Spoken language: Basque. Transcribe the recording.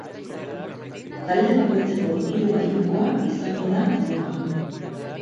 Talde bakoitzeko hiru gailukoa izango da muga.